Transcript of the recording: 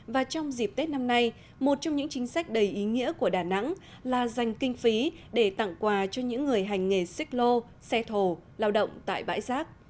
và trong dịp tết năm nay một trong những chính sách đầy ý nghĩa của đà nẵng là dành kinh phí để tặng quà cho những người hành nghề xích lô xe thổ lao động tại bãi rác